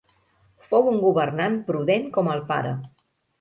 Fou un governant prudent com el pare.